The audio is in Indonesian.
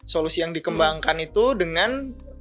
solusi yang dikembangkan itu dengan